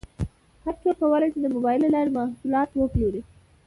هر څوک کولی شي د مبایل له لارې خپل محصولات وپلوري.